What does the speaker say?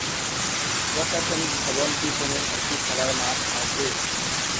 প্রশাসনিক ভবন পিছনে একটি খেলার মাঠ আছে।